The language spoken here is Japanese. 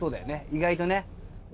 意外とね。